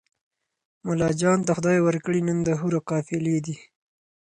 ملاجان ته خدای ورکړي نن د حورو قافلې دي